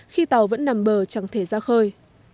khi tàu vẫn nằm bờ chẳng thể ra khơi